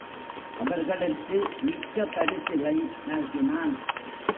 அவர்களுக்கு மிக்க பரிசிலை நல்கினான்.